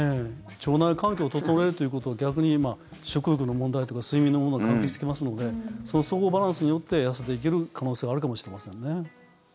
腸内環境を整えるということは逆に食欲の問題とか睡眠の問題に関係してきますのでその相互バランスによって痩せていける可能性はあるかもしれませんね。